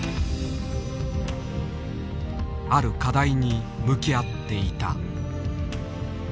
ある課題に向き合っていた。